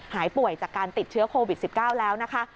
หายป่วยจากการติดเชื้อโควิด๑๙แล้วนะคะ